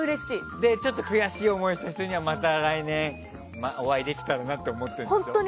ちょっと悔しい思いした人にはまた来年、お会いできたらなと思ってるんでしょ？